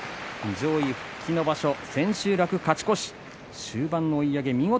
上位に復帰の場所千秋楽、勝ち越し。